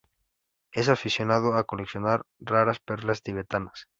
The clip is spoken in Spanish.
Es aficionado a coleccionar raras perlas tibetanas.